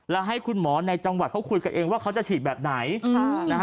แล้วให้คุณหมอในจังหวัดเขาคุยกันเองว่าเขาจะฉีดแบบไหน